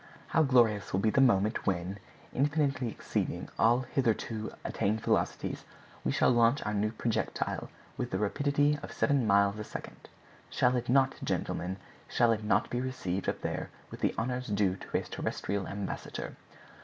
How glorious will be the moment when, infinitely exceeding all hitherto attained velocities, we shall launch our new projectile with the rapidity of seven miles a second! Shall it not, gentlemen—shall it not be received up there with the honors due to a terrestrial ambassador?"